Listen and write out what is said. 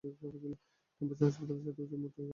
Campus, হাসপাতাল এবং ছাত্রাবাসের মোট আয়তন -এর বেশি।